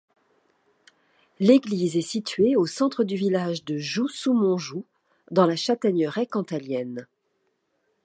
L'église est située au centre du village de Jou-sous-Monjou, dans la Châtaigneraie cantalienne.